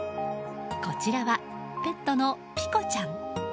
こちらはペットのピコちゃん。